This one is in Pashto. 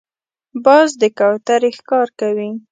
باز د کوترې ښکار کوي